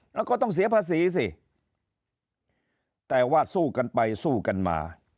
แล้วก็ต้องเสียภาษีสิแต่ว่าสู้กันไปสู้กันมา